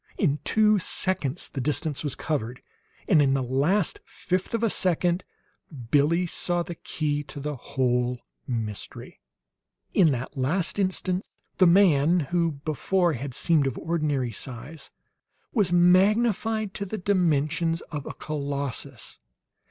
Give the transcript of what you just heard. In two seconds the distance was covered, and in the last fifth of a second Billie saw the key to the whole mystery. In that last instant the man who before had seemed of ordinary size, was magnified to the dimensions of a colossus.